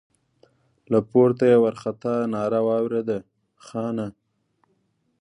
له پورته يې وارخطا ناره واورېده: خانه!